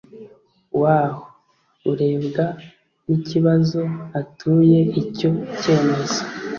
W aho urebwa n ikibazo atuye icyo cyemezo